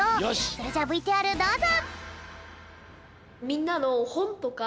それじゃあＶＴＲどうぞ！